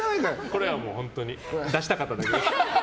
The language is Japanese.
これは、出したかっただけです。